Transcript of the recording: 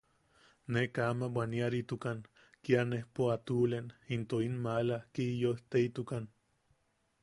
Ne kaa ama bwaniaritukan, kia nejpo a tuʼulen, into in maala Kiyosteitukan.